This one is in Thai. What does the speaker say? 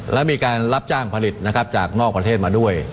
และมีการรับจ้างผลิตนะครับจากนอกประเทศมาด้วย